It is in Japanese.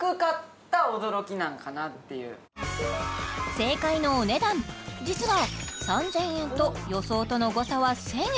正解のお値段実は３０００円と予想との誤差は１０００円